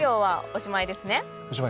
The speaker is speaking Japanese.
おしまいです。